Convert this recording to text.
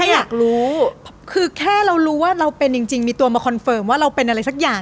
อยากรู้คือแค่เรารู้ว่าเราเป็นจริงมีตัวมาคอนเฟิร์มว่าเราเป็นอะไรสักอย่าง